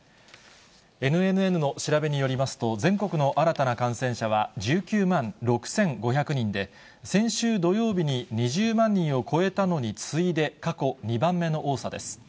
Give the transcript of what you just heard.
ＮＮＮの調べによりますと、全国の新たな感染者は、１９万６５００人で、先週土曜日に２０万人を超えたのに次いで過去２番目の多さです。